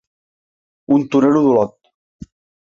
Un torero d’Olot.